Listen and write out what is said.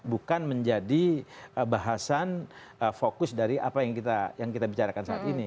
bukan menjadi bahasan fokus dari apa yang kita bicarakan saat ini